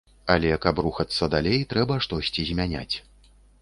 Але, каб рухацца далей, трэба штосьці змяняць.